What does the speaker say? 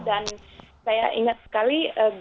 dan saya ingat sekali guru matematika